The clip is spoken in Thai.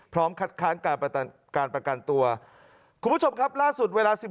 พร้อมคัดค้างการประกันตัวคุณผู้ชมครับล่าสุดเวลา